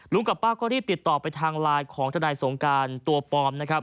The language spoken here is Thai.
ลุงกับป้าก็รีดติดต่อไปทางไลน์ของธนายสงการตัวปลอม